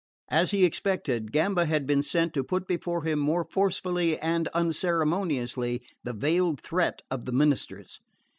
As he expected, Gamba had been sent to put before him more forcibly and unceremoniously the veiled threat of the ministers.